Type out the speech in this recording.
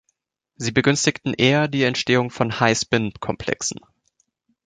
Sie begünstigen eher die Entstehung von "high-spin"-Komplexen.